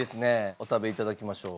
お食べ頂きましょう。